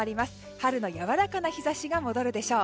春のやわらかな日差しが戻るでしょう。